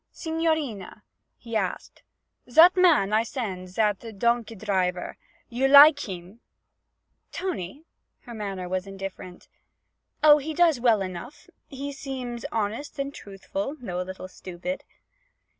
'Signorina,' he asked, 'zat man I send, zat donk' driver you like heem?' 'Tony?' Her manner was indifferent. 'Oh, he does well enough; he seems honest and truthful, though a little stupid.'